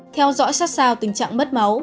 theo dõi sát sao tình trạng mất máu